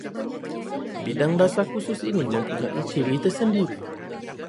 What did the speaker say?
Bidang dasar khusus ini mempunyai ciri tersendiri